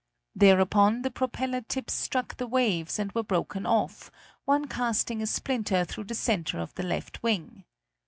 Thereupon the propeller tips struck the waves and were broken off, one casting a splinter through the center of the left wing.